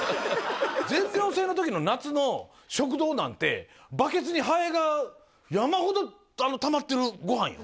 全寮制の時の夏の食堂なんてバケツにハエが山ほどたまってるご飯よ